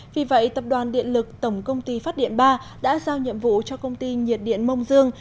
vì vậy tập đoàn điện lực tổng công ty phát điện ba đã giao nhiệm vụ cho công ty nhiệt điện mông dương